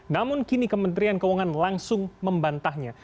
namun kini kementerian keuangan langsung membantahnya